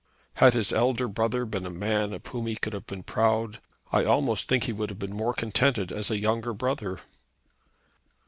Had his elder brother been a man of whom he could have been proud, I almost think he would have been more contented as a younger brother.